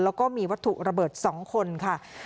แล้วก็มีวัตถุระเบิด๒คนค่ะ